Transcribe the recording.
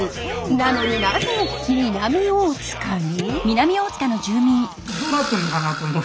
なのになぜ南大塚に？